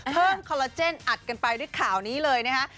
เพิ่มคอลลอเจนอัดกันไปด้วยข่าวนี้เลยนะครับ